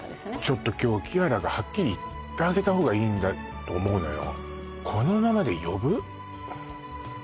ちょっと今日キアラがはっきり言ってあげたほうがいいんだと思うのよ